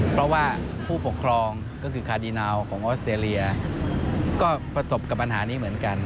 เพราะว่าผู้ปกครองก็คือคาดีนาวของออสเตรเลียก็ประสบกับปัญหานี้เหมือนกัน